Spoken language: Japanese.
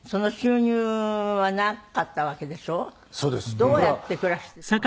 どうやって暮らしてたの？